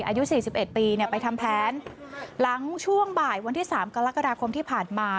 อายุ๔๑ปีไปทำแผนหลังช่วงบ่ายวันที่๓กรกฎาคมที่ผ่านมา